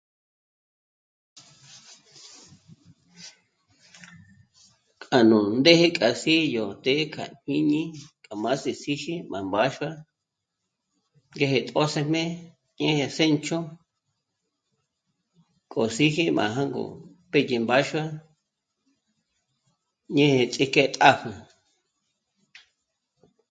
K'a nú ndéje k'a sî'i yó të́'ë kja jñíñi k'a má'sí síji má mbáxua ngéje tjṓsëjme, ñéje séncho, k'o síji má jângo pédye mbáxua ñéje ts'íjke tàpjü